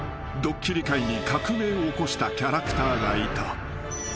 ［ドッキリ界に革命を起こしたキャラクターがいた］